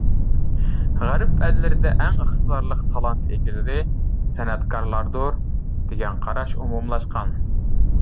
غەرب ئەللىرىدە ئەڭ ئىقتىدارلىق تالانت ئىگىلىرى سەنئەتكارلاردۇر، دېگەن قاراش ئومۇملاشقان.